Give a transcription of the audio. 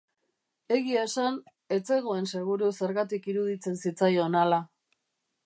Egia esan, ez zegoen seguru zergatik iruditzen zitzaion hala.